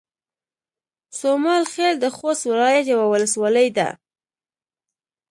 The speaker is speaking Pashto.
سومال خيل د خوست ولايت يوه ولسوالۍ ده